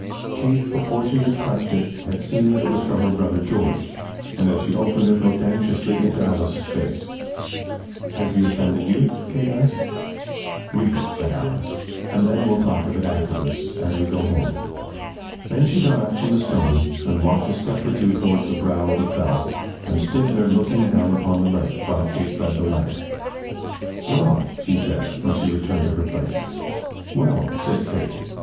Kate before she had touched it had seen that it was from her brother George; and as she opened it looked anxiously into Alice's face. "Has he offended you?" Kate asked. [Illustration: Swindale Fell.] "Read it," said Alice, "and then we'll talk of it afterwards, as we go home." Then she got up from the stone and walked a step or two towards the brow of the fell, and stood there looking down upon the lake, while Kate read the letter. "Well!" she said, when she returned to her place. "Well," said Kate.